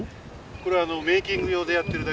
これはメーキング用でやってるだけでですね